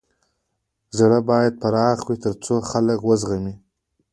زړه بايد پراخه وي تر څو د خلک و زغمی.